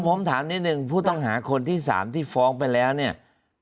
ผมถามที่เกิดผู้ต้องหาคนที่๓ที่ฟอกไปแล้วเนี่ย